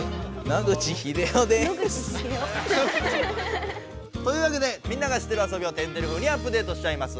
野口英世です！というわけでみんなが知ってる遊びを天てれ風にアップデートしちゃいます。